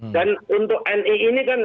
dan untuk ni ini kan